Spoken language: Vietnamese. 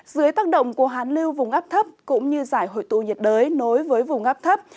dưới tác động của hàn lưu vùng áp thấp cũng như giải hội tụ nhiệt đới nối với vùng áp thấp